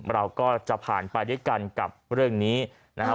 เราก็จะผ่านไปด้วยกันกับเรื่องนี้นะครับ